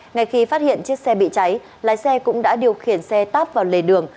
ngay khi phát hiện chiếc xe bị cháy lái xe cũng đã điều khiển xe táp vào lề đường